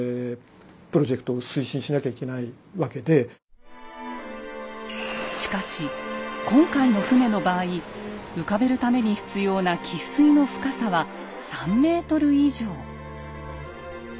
要するにしかし今回の船の場合浮かべるために必要な喫水の深さは３ｍ以上。